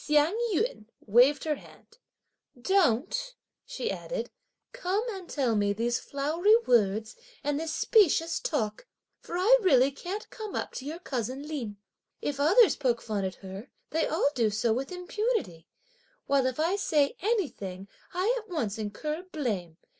Hsiang yün waved her hand: "Don't," she added, "come and tell me these flowery words and this specious talk, for I really can't come up to your cousin Lin. If others poke fun at her, they all do so with impunity, while if I say anything, I at once incur blame.